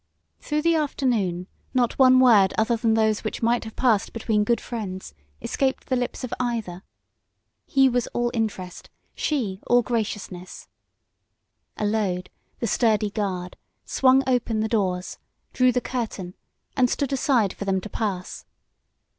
Through the afternoon not one word other than those which might have passed between good friends escaped the lips of either. He was all interest, she all graciousness. Allode, the sturdy guard, swung open the doors, drew the curtain, and stood aside for them to pass.